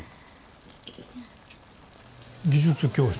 技術教室？